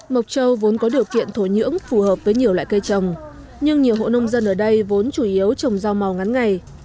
mộc châu vốn có điều kiện thổ nhưỡng phù hợp với nhiều loại cây trồng nhưng nhiều hộ nông dân ở đây vốn chủ yếu trồng rau màu ngắn ngày